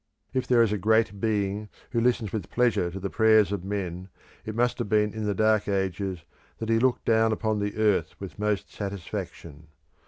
If there is a Great Being who listens with pleasure to the prayers of men, it must have been in the Dark Ages that he looked down upon the earth with most satisfaction.